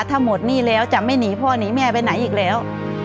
ถ้าหมดหนี้แล้วจะไม่หนีพ่อหนีแม่ไปไหนอีกแล้ว